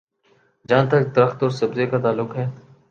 جہاں تک درخت اور سبزے کا تعلق ہے۔